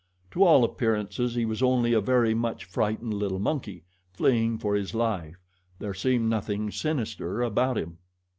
To all appearances he was only a very much frightened little monkey, fleeing for his life there seemed nothing sinister about him.